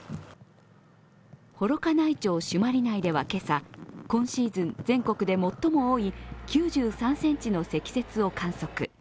幌加内町朱鞠内では今朝今シーズン全国で最も多い９３ｃｍの積雪を観測。